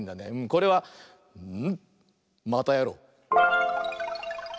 これは。またやろう！